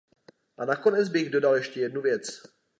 A nakonec bych dodal ještě jednu věc.